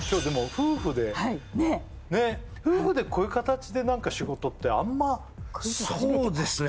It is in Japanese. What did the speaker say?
夫婦でこういう形で仕事ってあんまそうですね